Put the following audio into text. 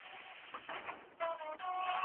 د چاپېریال اړونده معلومات راغونډ شول.